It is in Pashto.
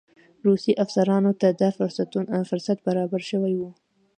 روسي افسرانو ته دا فرصت برابر شوی وو.